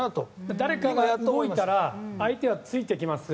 誰かが動いたら相手がついていきます。